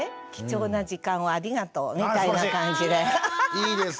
いいですね。